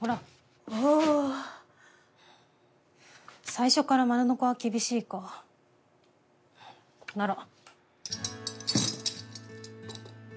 最初から丸鋸は厳しいか。なら。